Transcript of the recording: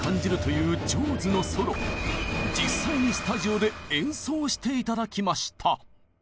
実際にスタジオで演奏して頂きました。